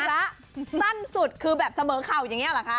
สั้นสุดคือแบบเสมอเข่าอย่างนี้หรอคะ